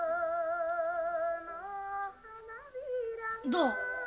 どう？